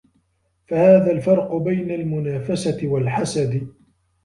فَهَذَا الْفَرْقُ بَيْنَ الْمُنَافَسَةِ وَالْحَسَدِ